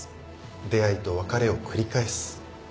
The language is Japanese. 出会いと別れを繰り返す。